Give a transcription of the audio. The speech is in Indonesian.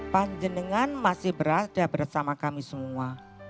panjenengan masih berada bersama kami semua